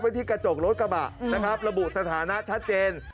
ที่กระจกรถกระบะนะครับระบุสถานะชัดเจน